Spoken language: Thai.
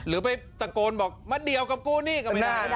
หรือไปตะโกนบอกมาเดี่ยวกับกูนี่ก็ไม่ได้